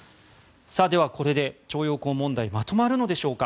では、これで徴用工問題まとまるのでしょうか。